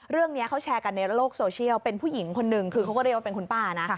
เรื่องนี้เขาแชร์กันในโลกโซเชียลเป็นผู้หญิงคนนึงคือเขาก็เรียกว่าเป็นคุณป้านะ